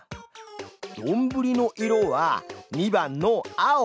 どんぶりの色は２番の青！